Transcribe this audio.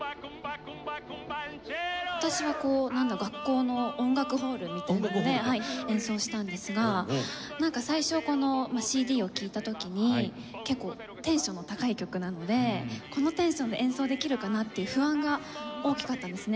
私はこう学校の音楽ホールみたいな所で演奏したんですがなんか最初このＣＤを聴いた時に結構テンションの高い曲なのでこのテンションで演奏できるかな？っていう不安が大きかったんですね。